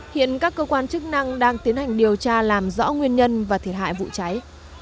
hiện các cơ quan chức năng đang tiến hành điều tra làm rõ nguyên nhân và thiệt hại vụ cháy